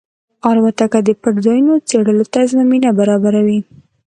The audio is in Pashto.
الوتکه د پټ ځایونو څېړلو ته زمینه برابروي.